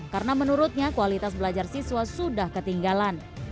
karena menurutnya kualitas belajar siswa sudah ketinggalan